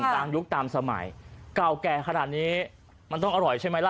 ยุคตามสมัยเก่าแก่ขนาดนี้มันต้องอร่อยใช่ไหมล่ะ